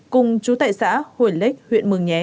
cùng chú tệ xã hồi lếch huyện mường nhé